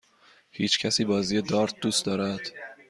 هیچکسی بازی دارت دوست دارد؟